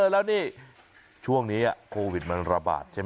แล้วนี่ช่วงนี้โควิดมันระบาดใช่ไหม